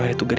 ini t sap